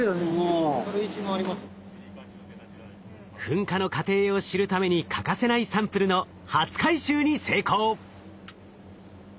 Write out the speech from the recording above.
噴火の過程を知るために欠かせないサンプルの初回収に成功。